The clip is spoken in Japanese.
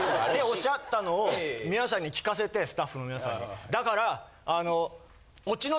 おっしゃったのを皆さんに聞かせてスタッフの皆さんにだから。